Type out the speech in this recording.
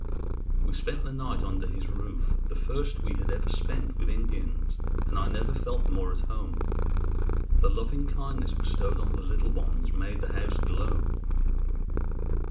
We spent the night under his roof, the first we had ever spent with Indians, and I never felt more at home. The loving kindness bestowed on the little ones made the house glow.